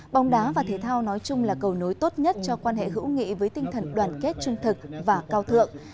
bóng đá và thể thao nói chung là cầu nối tốt nhất cho quan hệ hữu nghị với tinh thần đoàn kết trung thực và cao thượng